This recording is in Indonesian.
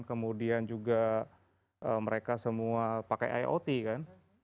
kemudian juga mereka semua pakai iot kan